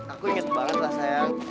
aku inget banget lah saya